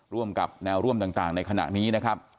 ร่วมกับแนวร่วมต่างในขณะนี้นะครับ